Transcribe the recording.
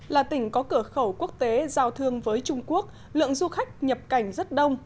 là tỉnh có cửa khẩu quốc tế giao thương với trung quốc lượng du khách nhập cảnh rất đông